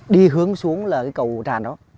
đi hướng xuống là cái cầu tràn đó